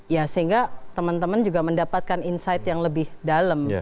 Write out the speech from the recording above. ya sehingga teman teman juga mendapatkan insight yang lebih dalam